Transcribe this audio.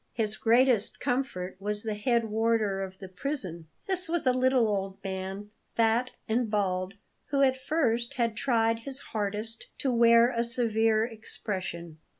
His greatest comfort was the head warder of the prison. This was a little old man, fat and bald, who at first had tried his hardest to wear a severe expression.